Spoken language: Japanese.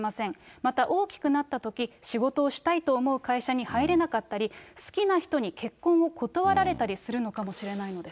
また、大きくなったとき、仕事をしたいと思う会社に入れなかったり、好きな人に結婚を断られたりするのかもしれないのです。